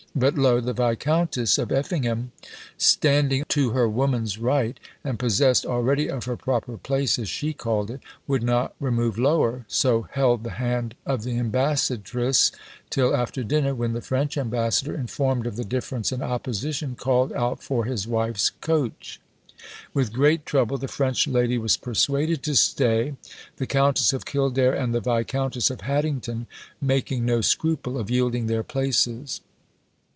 But lo! "The Viscountess of Effingham standing to her woman's right, and possessed already of her proper place (as she called it), would not remove lower, so held the hand of the ambassadrice, till after dinner, when the French ambassador, informed of the difference and opposition, called out for his wife's coach!" With great trouble, the French lady was persuaded to stay, the Countess of Kildare and the Viscountess of Haddington making no scruple of yielding their places.